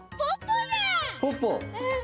うん。